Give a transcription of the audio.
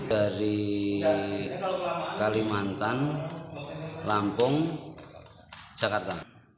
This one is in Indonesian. dari kalimantan lampung jakarta